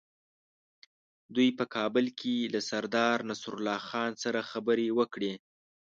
دوی په کابل کې له سردار نصرالله خان سره خبرې وکړې.